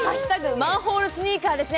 「＃マンホール」スニーカーですね。